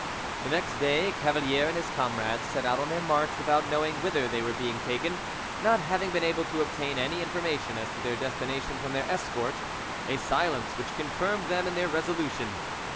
The next day Cavalier and his comrades set out on their march without knowing whither they were being taken, not having been able to obtain any information as to their destination from their escort—a silence which confirmed them in their resolution.